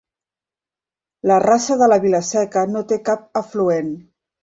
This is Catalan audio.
La Rasa de Vila-seca no té cap afluent.